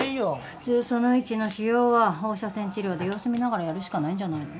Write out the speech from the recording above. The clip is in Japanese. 普通その位置の腫瘍は放射線治療で様子見ながらやるしかないんじゃないの？